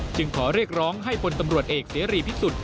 จึงขอเรียกร้องให้พลตำรวจเอกเสรีพิสุทธิ์